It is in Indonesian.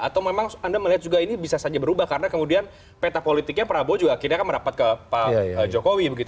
atau memang anda melihat juga ini bisa saja berubah karena kemudian peta politiknya prabowo juga akhirnya akan merapat ke pak jokowi